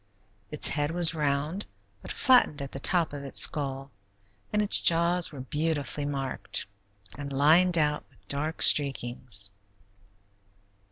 Its head was round, but flattened at the top of its skull, and its jaws were beautifully marked and lined out with dark streakings.